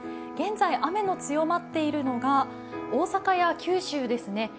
現在、雨の強まっているのが大阪や九州ですね。